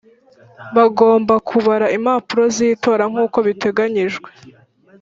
bagomba kubara impapuro z itora nkuko biteganyijwe